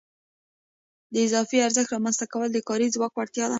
د اضافي ارزښت رامنځته کول د کاري ځواک وړتیا ده